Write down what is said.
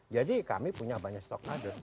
jadi kami punya banyak stok kader